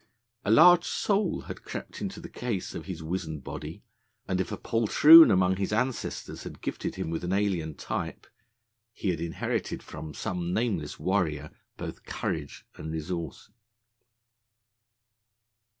A large soul had crept into the case of his wizened body, and if a poltroon among his ancestors had gifted him with an alien type, he had inherited from some nameless warrior both courage and resource.